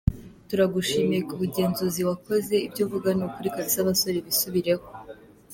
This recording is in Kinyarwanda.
Turagushimiye kubugenzuzi wa koze ibyouvuga nukuri kabisa abasore bisubireho.